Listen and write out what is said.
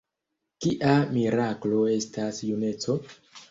Kia miraklo estas juneco?